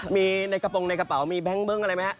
มีในกระโปรงในกระเป๋ามีแบงค์เบิ้งอะไรไหมฮะ